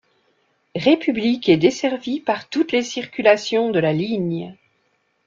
République est desservie par toutes les circulations de la ligne.